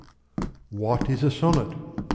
What is a sonnet ?